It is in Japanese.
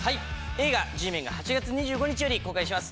映画『Ｇメン』が８月２５日より公開します。